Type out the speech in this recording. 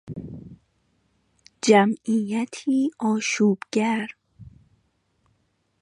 جمعیتی آشوبگر